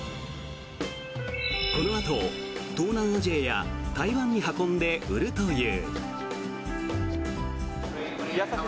このあと東南アジアや台湾に運んで売るという。